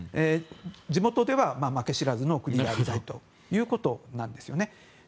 地元では負け知らずの国でありたいということなんですね。